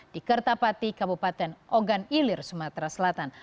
di kertapati kabupaten ogan ilir sumatera selatan